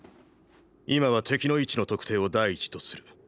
今は敵の位置の特定を第一とする。